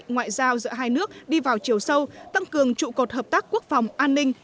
ngoại giao giữa hai nước đi vào chiều sâu tăng cường trụ cột hợp tác quốc phòng an ninh